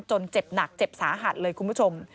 เจ็บหนักเจ็บสาหัสเลยคุณผู้ชม